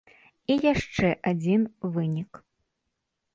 І яшчэ адзін вынік.